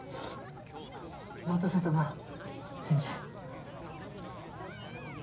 待たせたな天智。